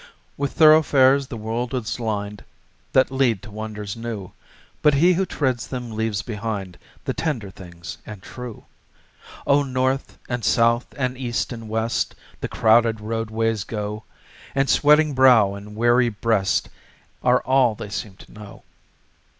With thoroughfares the world is lined That lead to wonders new, But he who treads them leaves behind The tender things and true. Oh, north and south and east and west The crowded roadways go, And sweating brow and weary breast Are all they seem to know.